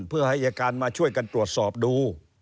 เพื่อให้อายการมาช่วยกันตรวจสอบดู